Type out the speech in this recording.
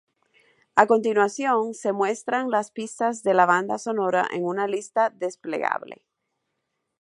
A continuación, se muestran las pistas de la banda sonora en una lista desplegable.